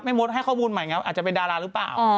มดให้ข้อมูลใหม่ไงว่าอาจจะเป็นดาราหรือเปล่า